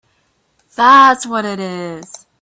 That’s what it is!